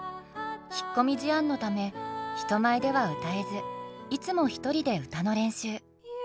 引っ込み思案のため人前では歌えずいつも一人で歌の練習。